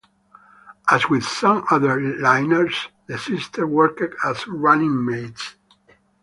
As with some other liners, the sisters worked as running mates.